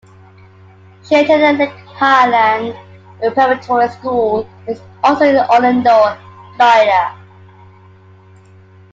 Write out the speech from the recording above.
She attended Lake Highland Preparatory School also in Orlando, Florida.